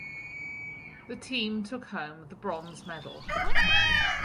The team took home the bronze medal.